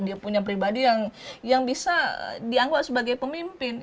dia punya pribadi yang bisa dianggap sebagai pemimpin